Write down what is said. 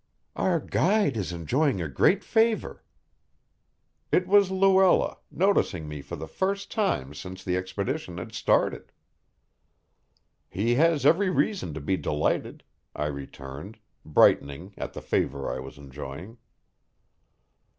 "Our guide is enjoying a great favor." It was Luella, noticing me for the first time since the expedition had started. "He has every reason to be delighted," I returned, brightening at the favor I was enjoying.